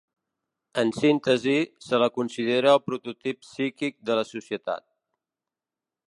En síntesi, se la considera el prototip psíquic de la societat.